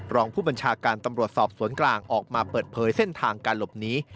รองผู้บัญชาการตำรวจสอบสวนกลางออกมาเปิดเผยเส้นทางการหลบหนี